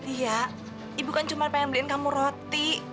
iya ibu kan cuma pengen beliin kamu roti